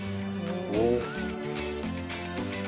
おっ。